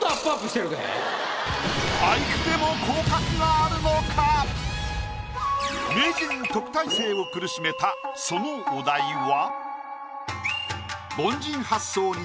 俳句でも名人・特待生を苦しめたそのお題は。